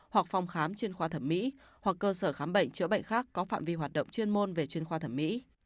hoặc phòng khám chuyên khoa thẩm mỹ hoặc cơ sở khám bệnh chữa bệnh khác có phạm vi hoạt động chuyên môn về chuyên khoa thẩm mỹ